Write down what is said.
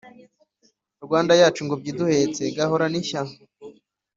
rwanda yacu ngombyi iduhetse gahorane ishya